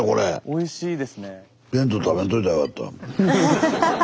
おいしいですね。